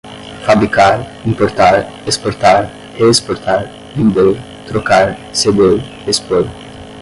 fabricar, importar, exportar, reexportar, vender, trocar, ceder, expor